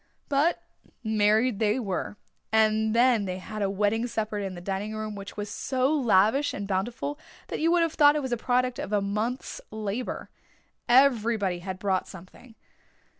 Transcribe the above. But married they were, and then they had a wedding supper in the dining room which was so lavish and bountiful that you would have thought it was the product of a month's labour. Everybody had brought something.